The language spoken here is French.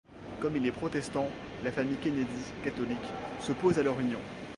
Comme il est protestant, la famille Kennedy, catholique, s'oppose à leur union.